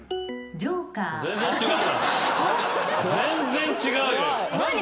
全然違うよ。